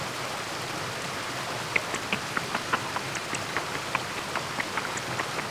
It was named for Hallau, Switzerland, after the hometown of a settler.